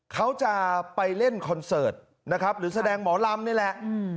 เขาจะไปเล่นคอนเสิร์ตนะครับหรือแสดงหมอลำนี่แหละ